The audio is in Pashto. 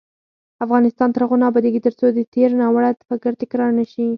افغانستان تر هغو نه ابادیږي، ترڅو د تیر ناوړه فکر تکرار نشي.